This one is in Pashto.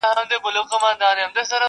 • دا سیکي چلېږي دا ویناوي معتبري دي,